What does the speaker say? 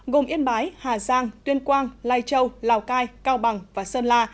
gồm yên bái hà giang tuyên quang lai châu lào cai cao bằng và sơn la